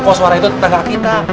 koswara itu tetangga kita